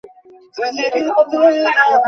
অধ্যাপক কিংবা সহযোগী অধ্যাপক নেই।